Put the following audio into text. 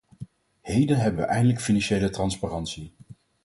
Heden hebben we eindelijk financiële transparantie.